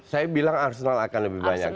saya bilang arsenal akan lebih banyak